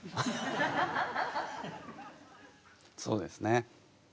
そうですね。